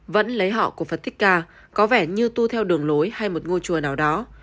vẫn lấy họ cổ phật thích ca có vẻ như tu theo đường lối hay một ngôi chùa nào đó